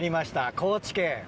高知県！